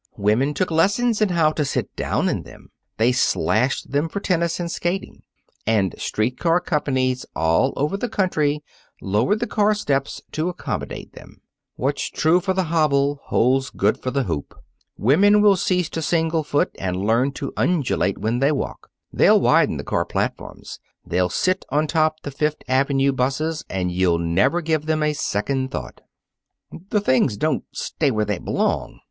Women took lessons in how to sit down in them. They slashed them for tennis and skating. And street car companies all over the country lowered the car steps to accommodate them. What's true for the hobble holds good for the hoop. Women will cease to single foot and learn to undulate when they walk. They'll widen the car platforms. They'll sit on top the Fifth Avenue 'buses, and you'll never give them a second thought." "The things don't stay where they belong.